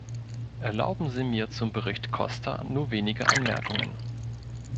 Erlauben Sie mir zum Bericht Costa nur wenige Anmerkungen.